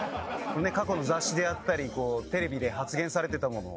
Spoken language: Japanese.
過去の雑誌であったりテレビで発言されてたものを。